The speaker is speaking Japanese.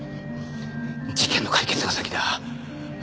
事件の解決が先だ。